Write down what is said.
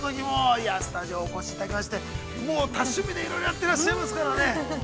スタジオにお越しいただきまして、もう多趣味で、いろいろやっていらっしゃいますからね。